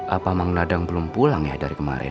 apa mang nadang belum pulang ya dari kemarin